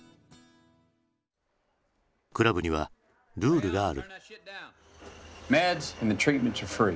クラブにはルールがある。